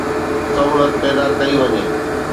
سهولت پيدا ڪئي وڃي.